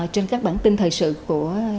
trên các bản tin thời sự của